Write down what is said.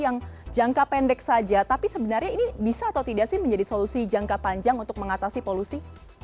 yang jangka pendek saja tapi sebenarnya ini bisa atau tidak sih menjadi solusi jangka panjang untuk mengatasi polusi